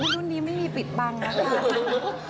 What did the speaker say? รุ่นนี้ไม่มีปิดบังนะคะ